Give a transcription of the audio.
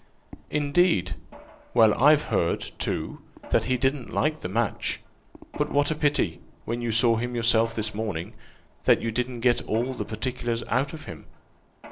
"Indeed! well, I've heard, too, that he didn't like the match: but what a pity, when you saw him yourself this morning, that you didn't get all the particulars out of him.